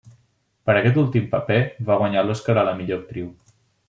Per aquest últim paper va guanyar l'Oscar a la millor actriu.